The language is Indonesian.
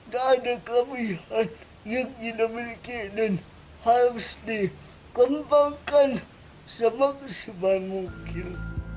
tak ada kelebihan yang kita miliki dan harus dikembangkan semaksimal mungkin